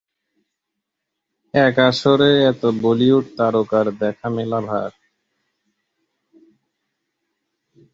এক আসরে এত বলিউড তারকার দেখা মেলা ভার